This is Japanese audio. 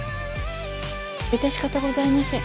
致し方ございませぬ。